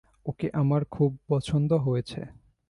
ওকে আমার খুব পছন্দ হয়েছে।